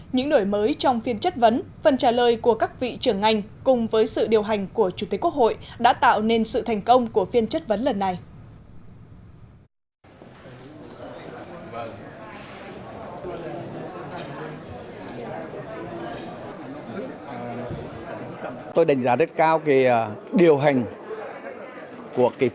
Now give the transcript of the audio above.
những đổi mới trong phiên chất vấn phần trả lời của các vị trưởng ngành cùng với sự điều hành của chủ tế quốc hội đã tạo nên sự thành công của phiên chất vấn lần này